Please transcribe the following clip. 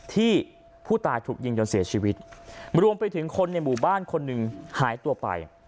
ที่ผู้ตายถูกยิงจนเสียชีวิตรวมไปถึงคนในหมู่บ้านคนหนึ่งหายตัวไป